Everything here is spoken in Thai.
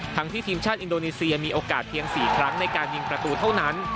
ที่ทีมชาติอินโดนีเซียมีโอกาสเพียง๔ครั้งในการยิงประตูเท่านั้น